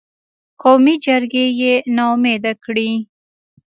قومي جرګې یې نا امیده کړې.